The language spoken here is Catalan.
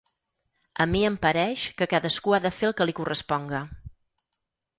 Al mi em pareix que cadascun ha de fer el que li corresponga.